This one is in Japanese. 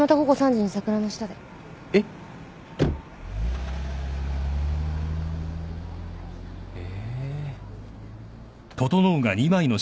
えっ？え。